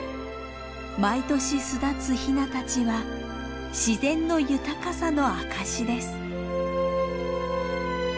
毎年巣立つヒナたちは自然の豊かさの証しです。